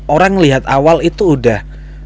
orang melihat awal itu udah